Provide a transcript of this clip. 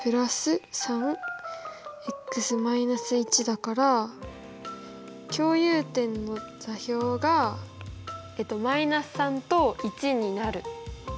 だから共有点の座標が−３と１になる。